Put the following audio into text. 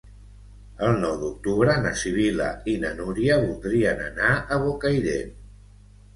El nou d'octubre na Sibil·la i na Núria voldrien anar a Bocairent.